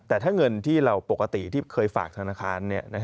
แต่ถ้าเงินที่เราปกติที่เคยฝากธนาคาร